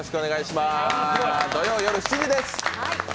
土曜夜７時です。